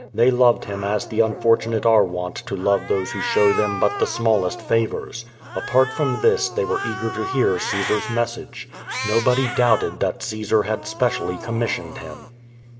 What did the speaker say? They loved him as the unfortunate are wont to love those who show them but the smallest favors. Apart from this they were eager to hear Caesar's message. Nobody doubted that Caesar had specially commissioned him.